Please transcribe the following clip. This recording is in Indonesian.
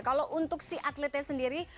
kalau untuk si atletnya sendiri